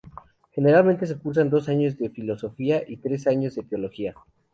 Generalmente se cursan dos años de Filosofía y tres años de Teología.